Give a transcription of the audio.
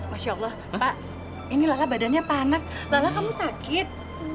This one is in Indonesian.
pak ini lala badannya panas lala kamu sakit